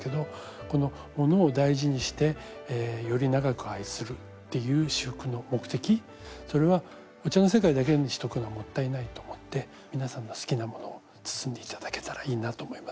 このものを大事にしてより長く愛するっていう仕覆の目的それはお茶の世界だけにしとくのはもったいないと思って皆さんの好きなものを包んで頂けたらいいなと思います。